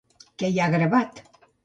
Què hi ha gravat?